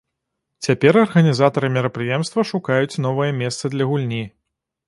Цяпер арганізатары мерапрыемства шукаюць новае месца для гульні.